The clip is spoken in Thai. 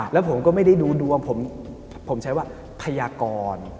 แล้วผมก็ไม่ได้ดูดวงผมใช้ว่าพยากร